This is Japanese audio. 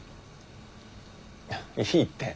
いいって。